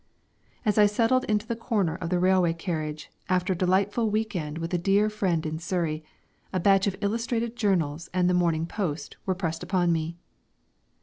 As I settled into the corner of the railway carriage, after a delightful week end with a dear friend in Surrey, a batch of illustrated journals and the Morning Post were pressed upon me.